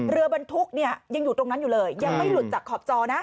บรรทุกเนี่ยยังอยู่ตรงนั้นอยู่เลยยังไม่หลุดจากขอบจอนะ